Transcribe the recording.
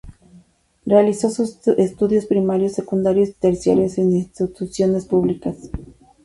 Realizó sus estudios primarios, secundarios y terciarios en instituciones públicas.